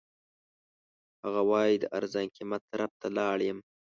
هغه وایي د ارزان قیمت طرف ته لاړ یم.